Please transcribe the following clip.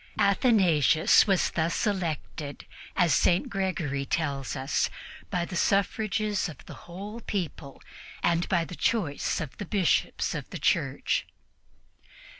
Athanasius was thus elected, as St. Gregory tells us, by the suffrages of the whole people and by the choice of the Bishops of the Church.